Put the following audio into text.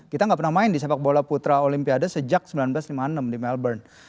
kita nggak pernah main di sepak bola putra olimpiade sejak seribu sembilan ratus lima puluh enam di melbourne